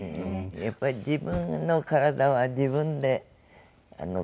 やっぱり自分の体は自分で考えて。